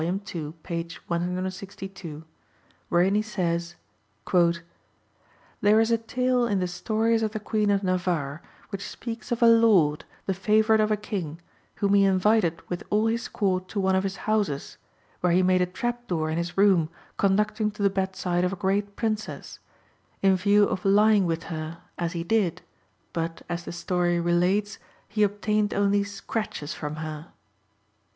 ii. p. 162), wherein he says: "There is a tale in the stories of the Queen of Navarre, which speaks of a lord, the favourite of a king, whom he invited with all his court to one of his houses, where he made a trap door in his room conducting to the bedside of a great princess, in view of lying with her, as he did, but, as the story relates, he obtained only scratches from her."